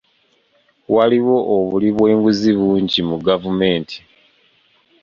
Waliwo obuli bw'enguzi bungi mu gavumenti.